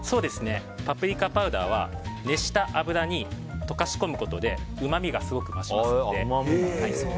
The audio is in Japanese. パプリカパウダーは熱した油に溶かし込むことでうまみがすごく増しますので。